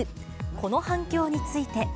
この反響について。